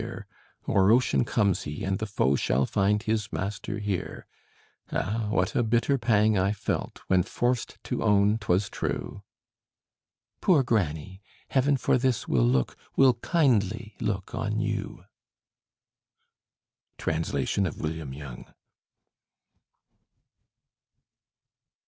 O'er ocean comes he, and the foe Shall find his master here.' Ah, what a bitter pang I felt, When forced to own 'twas true!" "Poor granny! Heaven for this will look Will kindly look on you." Translation of William Young.